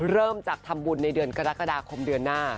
เริ่มจากทำบุญในเดือนกรกฎาคมเดือนหน้า